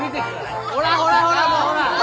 ほらほらほらもうほら。